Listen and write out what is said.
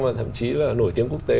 và thậm chí là nổi tiếng quốc tế